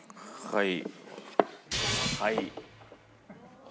はい。